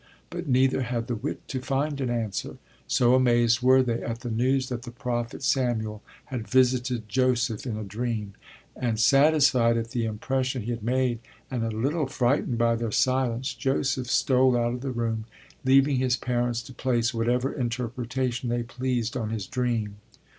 But neither had the wit to find an answer, so amazed were they at the news that the prophet Samuel had visited Joseph in a dream; and satisfied at the impression he had made and a little frightened by their silence Joseph stole out of the room, leaving his parents to place whatever interpretation they pleased on his dream.